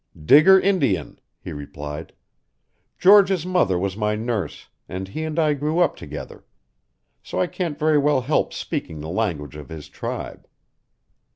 "Digger Indian," he replied. "George's mother was my nurse, and he and I grew up together. So I can't very well help speaking the language of the tribe."